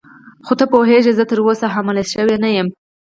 خو ته پوهېږې زه تراوسه حامله شوې نه یم.